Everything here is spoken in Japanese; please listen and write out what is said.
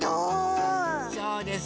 そうです。